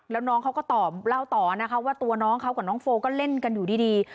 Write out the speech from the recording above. แล้วน้องเขาก็ตอบเล่าต่อนะคะว่าตัวน้องเขากับน้องโฟก็เล่นกันอยู่ดี